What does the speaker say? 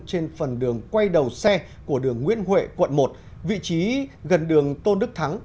trên phần đường quay đầu xe của đường nguyễn huệ quận một vị trí gần đường tôn đức thắng